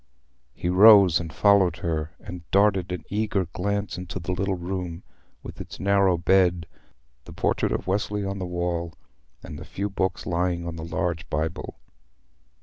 He rose and followed her, and darted an eager glance into the little room with its narrow bed, the portrait of Wesley on the wall, and the few books lying on the large Bible.